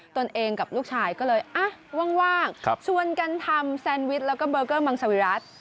ตัวเองกับลูกชายก็เลยว่างชวนกันทำแซนวิชแล้วก็เบอร์เกอร์มังสวิรัติ